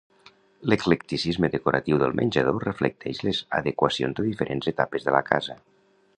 L'eclecticisme decoratiu del menjador reflecteix les adequacions de diferents etapes de la casa.